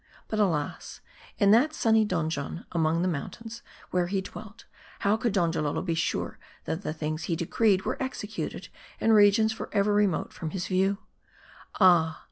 But alas, in that sunny donjon among the mountains, where he dwelt, how could Donjalolo be sure, that the things he decreed were executed in regions forever remote from his view. Ah